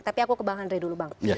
tapi aku ke bang andre dulu bang